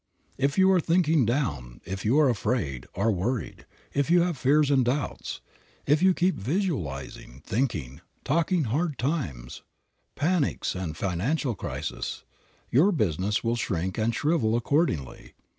If you are thinking down, if you are afraid, are worried, if you have fears and doubts, if you keep visualizing, thinking, talking hard times, panics and financial crises, your business will shrink and shrivel accordingly.